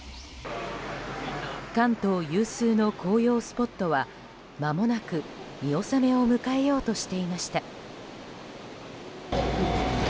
関東有数の紅葉スポットはまもなく見納めを迎えようとしていました。